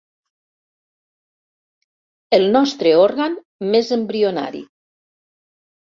El nostre òrgan més embrionari.